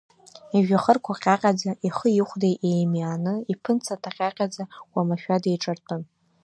Ижәҩахырқәа ҟьаҟьаӡа, ихи ихәдеи еимиааны, иԥынҵа ҭаҟьаҟьаӡа, уамашәа деиҿартәын.